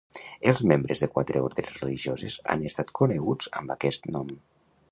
Els membres de quatre ordes religioses han estat coneguts amb aquest nom.